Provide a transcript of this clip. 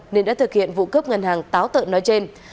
nên đã thực hiện vụ cướp ngân hàng táo tợ nói trên